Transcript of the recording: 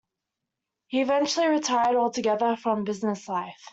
He eventually retired altogether from business life.